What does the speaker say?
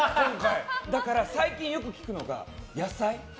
だから、最近よく聞くのが野菜。